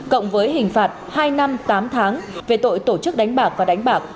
cộng với hình phạt hai năm tám tháng về tội tổ chức đánh bạc và đánh bạc